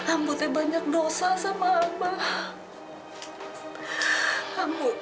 ambo tidak banyak dosa sama abah